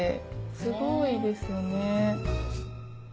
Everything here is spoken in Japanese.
すごいですよね。